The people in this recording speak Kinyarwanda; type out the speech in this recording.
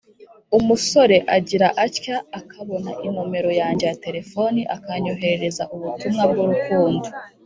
Umusore agira atya akabona inomero yanjye ya telefoni akanyoherereza ubutumwa bw urukundo